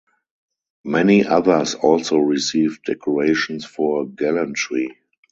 Many others also received decorations for gallantry.